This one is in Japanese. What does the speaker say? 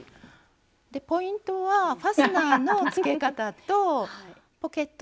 ポイントはファスナーのつけ方とポケットの作り方になります。